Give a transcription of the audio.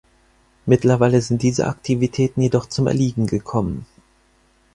Mittlerweile sind diese Aktivitäten jedoch zum Erliegen gekommen.